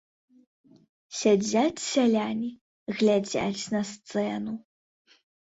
Сядзяць сяляне, глядзяць на сцэну.